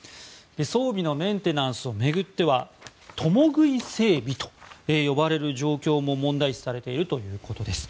装備のメンテナンスを巡っては共食い整備と呼ばれる状況も問題視されているということです。